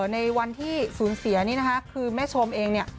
ในวันที่สูญเสียนี่นะคะคือแม่ชมเองเนี่ย